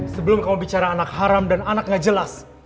sebelum kamu bicara anak haram dan anak gak jelas